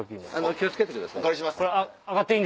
気を付けてください。